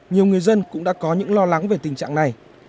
nhiều người dân cũng đã có những lo lắng về tình trạng này